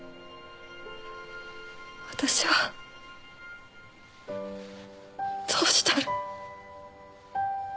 私はどうしたら。